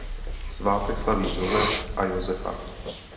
Svátek slaví Josef a Josefa.